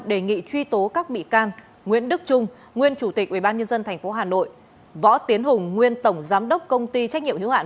đề nghị truy tố các bị can nguyễn đức trung nguyên chủ tịch ủy ban nhân dân tp hà nội võ tiến hùng nguyên tổng giám đốc công ty trách nhiệm hiếu hạn